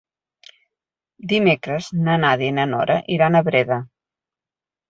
Dimecres na Nàdia i na Nora iran a Breda.